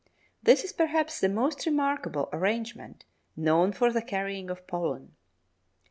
This is perhaps the most remarkable arrangement known for the carrying of pollen.